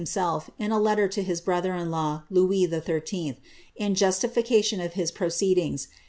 himself, in a letter to his brother in law, Louis XIII., in justification of his proceedings.